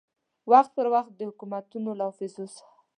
وخت پر وخت د حکومتو له حافظو سه